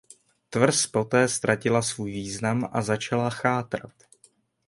Tvrz poté ztratila svůj význam a začala chátrat.